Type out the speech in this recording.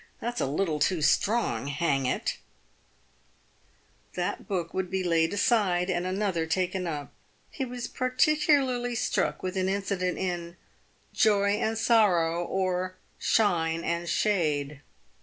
That's a little too strong, hang it !" That book would be laid aside and another taken up. He was par ticularly struck with an incident in " Joy and Soeeow, oe Shine and Shade."